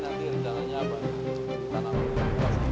lihat gini nanti rencananya pak tanaman yang berangkuas